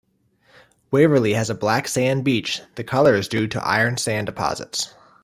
Waverley has a black sand beach, the colour is due to iron sand deposits.